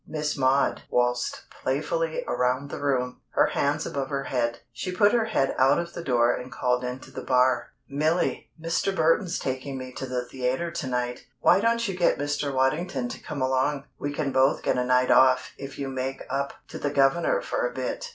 Miss Maud waltzed playfully around the room, her hands above her head. She put her head out of the door and called into the bar. "Milly, Mr. Burton's taking me to the theatre to night. Why don't you get Mr. Waddington to come along? We can both get a night off if you make up to the governor for a bit."